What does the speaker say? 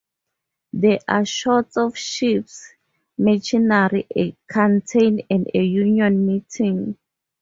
There are shots of ships, machinery, a canteen, and a union meeting.